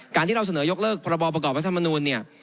การที่เราเสนอยกเลิกพรบประกอบรัฐมนูลเนี่ย